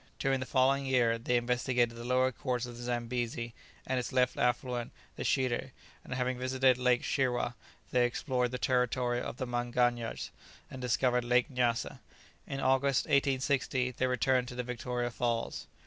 During the following year they investigated the lower course of the Zambesi, and its left affluent the Shiré, and having visited Lake Shirwa, they explored the territory of the Manganjas, and discovered Lake Nyassa. In August, 1860, they returned to the Victoria Falls.